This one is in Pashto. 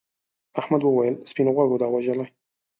احمد وویل سپین غوږو دا وژلي.